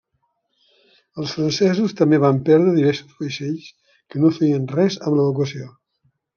Els francesos també van perdre diversos vaixells que no feien res amb l'evacuació.